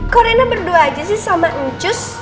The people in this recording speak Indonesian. kok reina berdua aja sih sama ncus